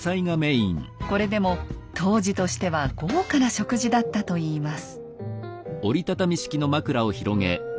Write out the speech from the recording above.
これでも当時としては豪華な食事だったといいます。